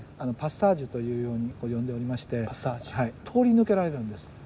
パッサージュというように呼んでおりまして通り抜けられるんです。